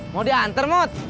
mau diantar mut